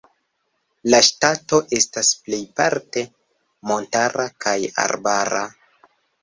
La ŝtato estas plejparte montara kaj arbara.